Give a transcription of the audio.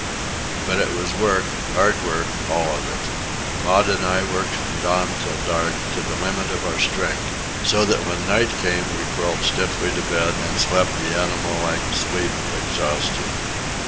But it was work, hard work, all of it. Maud and I worked from dawn till dark, to the limit of our strength, so that when night came we crawled stiffly to bed and slept the animal like sleep of exhaustion.